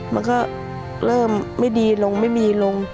มันก็เริ่มไม่ดีลงไม่มีลง